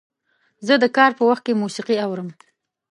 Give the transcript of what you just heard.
زه د کار په وخت کې موسیقي اورم.